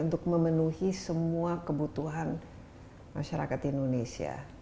untuk memenuhi semua kebutuhan masyarakat di indonesia